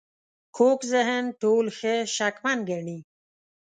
کوږ ذهن ټول ښه شکمن ګڼي